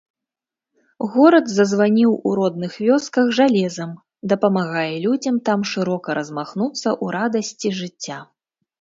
Горад зазваніў у родных вёсках жалезам, дапамагае людзям там шырока размахнуцца ў радасці жыцця.